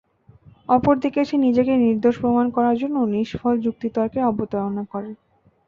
অপরদিকে সে নিজেকে নির্দোষ প্রমাণ করার জন্যে নিষ্ফল যুক্তি-তর্কের অবতারণা করে।